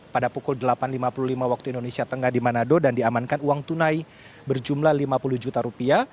pada pukul delapan lima puluh lima waktu indonesia tengah di manado dan diamankan uang tunai berjumlah lima puluh juta rupiah